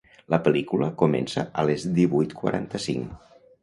La pel·lícula comença a les divuit quaranta-cinc.